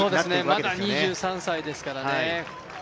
まだ２３歳ですからね。